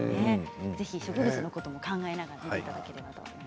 ぜひ植物のことも考えながら見ていただければと思います。